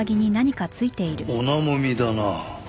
オナモミだな。